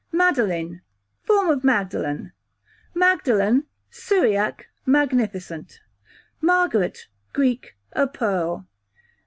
Madeline, form of Magdalen, q.v. Magdalen, Syriac, magnificent. Margaret, Greek, a pearl.